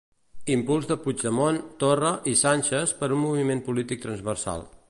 Impuls de Puigdemont, Torra i Sánchez per a un moviment polític transversal.